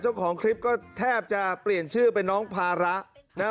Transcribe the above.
เจ้าของคลิปก็แทบจะเปลี่ยนชื่อเป็นน้องภาระนะครับ